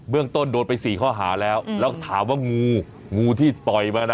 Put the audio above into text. เรื่องต้นโดนไป๔ข้อหาแล้วแล้วถามว่างูงูที่ปล่อยมานะ